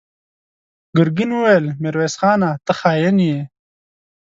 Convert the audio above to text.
ګرګين وويل: ميرويس خانه! ته خاين يې!